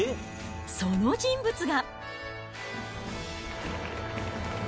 その人物が。